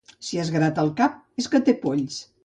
Si es grata el cap, és que té polls.